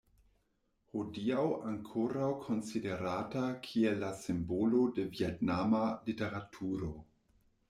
Hodiaŭ ankoraŭ konsiderata kiel la simbolo de vjetnama literaturo.